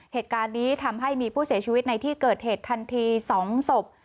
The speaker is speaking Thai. เหตุการณ์นี้ทำให้มีผู้เสียชีวิตในที่เกิดเหตุทันที๒ศพ